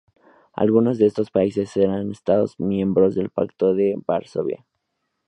Algunos de estos países eran Estados miembros del Pacto de Varsovia.